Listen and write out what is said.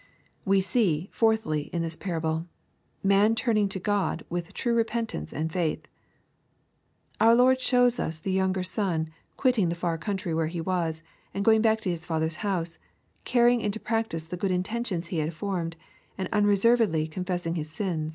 We see, fourthly, in this parabk, man turning to God \ with true repentance and faith. Our Lord shows us the younger son quitting the far country where he was, and going back to his father's house, carrying into practice the good intentions he Bad formed, and unreservedly con fessing his sin.